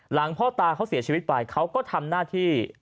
พ่อตาเขาเสียชีวิตไปเขาก็ทำหน้าที่